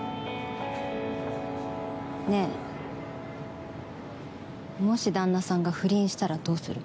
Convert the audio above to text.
ねえ、もし旦那さんが不倫したらどうする？